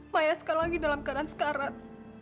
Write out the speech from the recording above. maya sekali lagi dalam keadaan sekarat